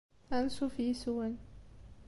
Ansuf yis-wen.